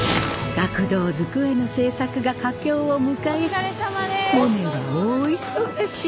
学童机の製作が佳境を迎えモネは大忙し。